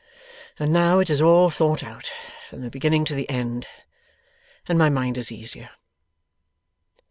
And now it is all thought out, from the beginning to the end, and my mind is easier.